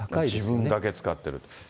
自分だけ使ってると。